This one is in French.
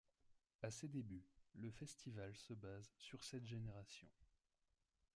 À ses débuts, le festival se base sur cette génération.